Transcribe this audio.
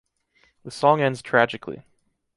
The song ends tragically.